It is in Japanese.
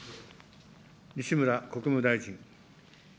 西村国務大臣。